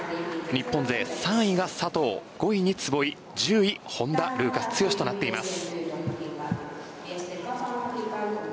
日本勢、３位が佐藤５位に壷井１０位、本田ルーカス剛史となっています。